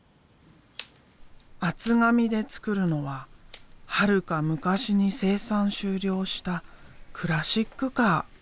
厚紙で作るのははるか昔に生産終了したクラシックカー。